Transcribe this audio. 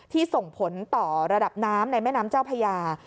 ส่งผลต่อระดับน้ำในแม่น้ำเจ้าพญา